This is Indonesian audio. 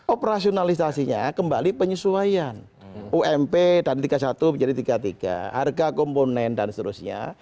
operasionalisasinya kembali penyesuaian ump dan tiga puluh satu menjadi tiga puluh tiga harga komponen dan seterusnya